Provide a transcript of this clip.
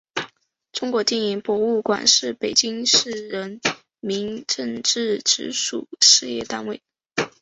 中国电影博物馆是北京市人民政府直属事业单位。